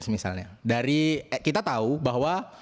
misalnya dari kita tahu bahwa